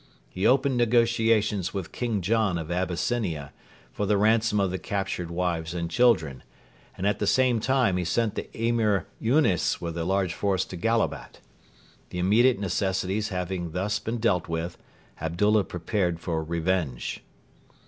He opened negotiations with King John of Abyssinia, for the ransom of the captured wives and children, and at the same time he sent the Emir Yunes with a large force to Gallabat. The immediate necessities having thus been dealt with, Abdullah prepared for revenge.